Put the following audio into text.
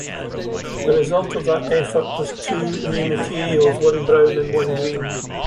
The result of that effort was two new materials, one brown and one green.